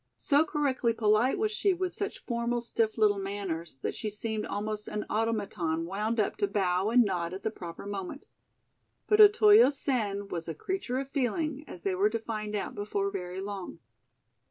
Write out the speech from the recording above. So correctly polite was she with such formal, stiff little manners that she seemed almost an automaton wound up to bow and nod at the proper moment. But Otoyo Sen was a creature of feeling, as they were to find out before very long.